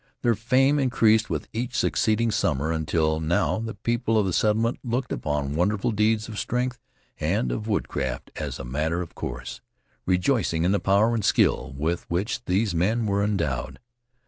Their fame increased with each succeeding summer, until now the people of the settlement looked upon wonderful deeds of strength and of woodcraft as a matter of course, rejoicing in the power and skill with which these men were endowed.